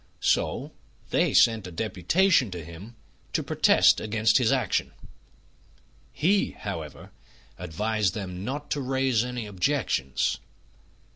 So they sent a deputation to him to protest against his action. He, however, advised them not to raise any objections.